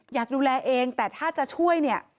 อยากดูแลเองแต่ถ้าจะช่วยเนี่ย